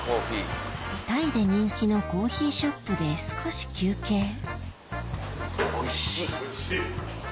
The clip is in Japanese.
タイで人気のコーヒーショップで少し休憩おいしい。